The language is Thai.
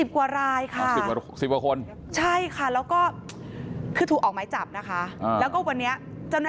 ๑๐กว่ารูปเลย๑๐กว่ารายค่ะ